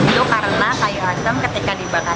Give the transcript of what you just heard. itu karena kayu asam ketika dibakar